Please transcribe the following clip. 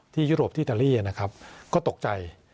ที่ยุโรปอิตาลีนะครับก็ตกใจ